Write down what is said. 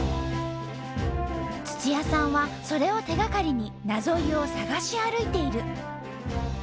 土谷さんはそれを手がかりになぞ湯を探し歩いている。